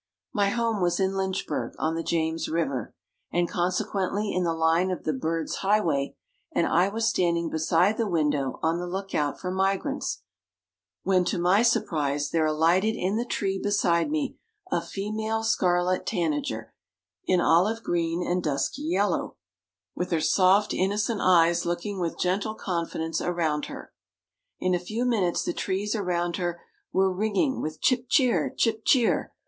My home was in Lynchburg, on the James River, and consequently in the line of the "birds' highway," and I was standing beside the window on the lookout for migrants, when, to my surprise, there alighted in the tree beside me a female scarlet tanager in olive green and dusky yellow, with her soft, innocent eyes looking with gentle confidence around her. In a few minutes the trees around her were ringing with _chip cheer! chip cheer!